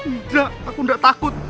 nggak aku nggak takut